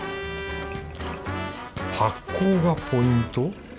発酵がポイント？